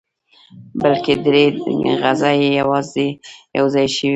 بلکې درې غږه يو ځای شوي وو.